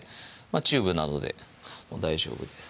チューブなどでも大丈夫です